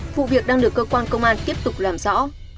vụ việc đang được cơ quan công an tiếp tục làm rõ